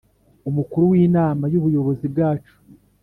umukuru w inama y ubuyobozi bwacu